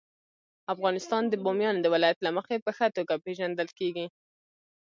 افغانستان د بامیان د ولایت له مخې په ښه توګه پېژندل کېږي.